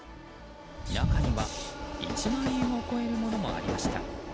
中には１万円を超えるものもありました。